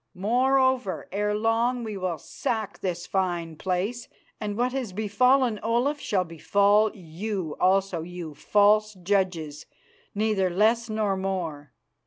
Moreover, ere long we will sack this fine place, and what has befallen Olaf shall befall you also, you false judges, neither less nor more.